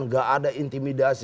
tidak ada intimidasi